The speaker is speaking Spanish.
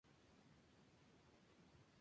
Homenaje al Profesor Almagro Basch.